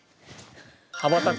はばたく。